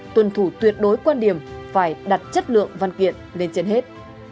tuân thủ tuyệt đối quan điểm phải đặt chất lượng văn kiện lên trên hết